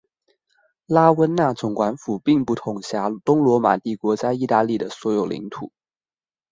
拉温纳总管府并不统辖东罗马帝国在意大利的所有领土。